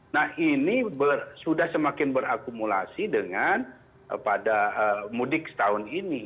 nah ini sudah semakin berakumulasi dengan pada mudik setahun ini